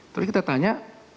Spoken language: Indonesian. terus kita tanya